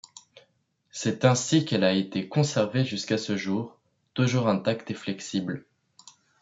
C’est ainsi qu’elle a été conservée jusqu’à ce jour, toujours intacte et flexible.